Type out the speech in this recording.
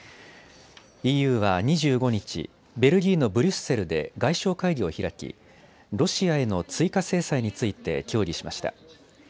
ＥＵは２５日、ベルギーのブリュッセルで外相会議を開きロシアへの追加制裁について協議しました。